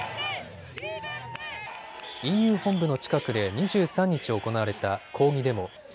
ＥＵ本部の近くで２３日行われた抗議デモ。